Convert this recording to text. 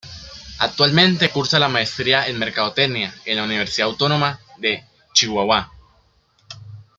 Actualmente cursa la Maestría en Mercadotecnia en la Universidad Autónoma de Chihuahua.